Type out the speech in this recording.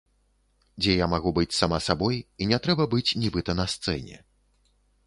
Дзе я магу быць сама сабой і не трэба быць, нібыта на сцэне.